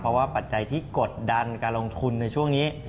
เพราะว่าปัจจัยที่กดดันการลงทุนในช่วงนี้